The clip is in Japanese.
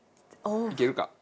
いけるか？